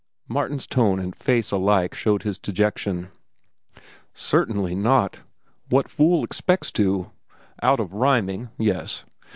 Martin's tone and face alike showed his dejection. "Certainly not. What fool expects to? Out of rhyming, yes.